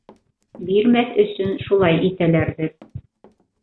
Бирмәҫ өсөн шулай итәләрҙер...